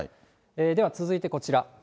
では続いてこちら。